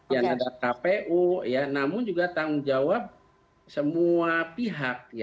yang ada kpu namun juga tanggung jawab semua pihak